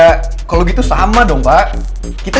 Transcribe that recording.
oh ya kalau gitu sama dong pak kita juga anggota